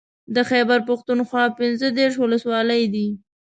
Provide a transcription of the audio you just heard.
د خېبر پښتونخوا پنځه دېرش ولسوالۍ دي